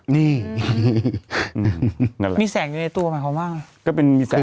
นี่มีแสงในตัวหรือเปล่า